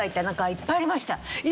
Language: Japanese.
いっぱいありました！